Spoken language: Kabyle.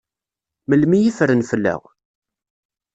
Melmi i ffren fell-aɣ?